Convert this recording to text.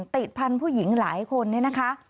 ติดพันธุ์ผู้หญิงหลายคนเนี่ยนะคะ